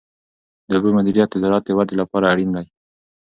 د اوبو مدیریت د زراعت د ودې لپاره اړین دی.